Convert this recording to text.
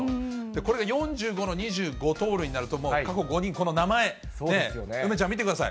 これが４５の２５盗塁になると、もう過去５人、この名前、梅ちゃん、見てください。